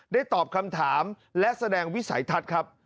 ตอบคำถามและแสดงวิสัยทัศน์ครับ